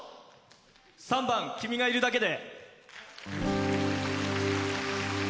３番「君がいるだけで」。